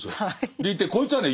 でいてこいつはね